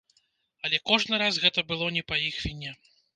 Але кожны раз гэта было не па іх віне.